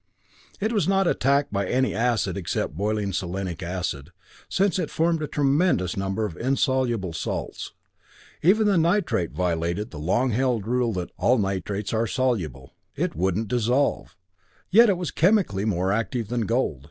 It was not attacked by any acid except boiling selenic acid, since it formed a tremendous number of insoluble salts. Even the nitrate violated the long held rule that "all nitrates are soluble" it wouldn't dissolve. Yet it was chemically more active than gold.